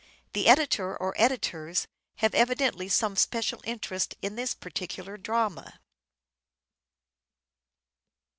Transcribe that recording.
The editor or editors had evidently some special interest in this particular drama.